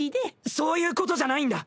そういうことじゃないんだ。